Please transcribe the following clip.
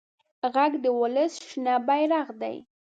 غږ د ولس شنه بېرغ دی